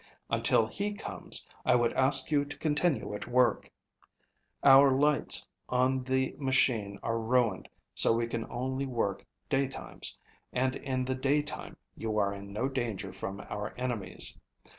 Until he comes, I would ask you to continue at work. Our lights on the machine are ruined so we can only work day times, and in the day time you are in no danger from our enemies.